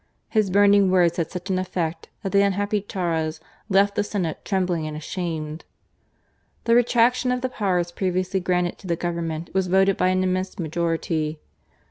His burning words had such an effect 72 GARCIA MORENO, that the unhappy Tauras left the Senate trembling and ashamed. The retractation of the powers previously granted to the Government was voted by an immense majority.